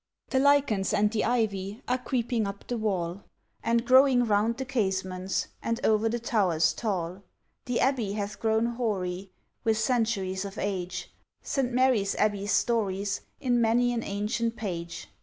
The lichens and the ivy Are creeping up the wall, And growing round the casements, And o'er the towers tall. The Abbey hath grown hoary, With centuries of age, St. Mary's Abbey stories In many an ancient page.